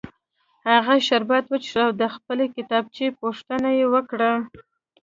هغه شربت وڅښل او د خپلې کتابچې پوښتنه یې وکړه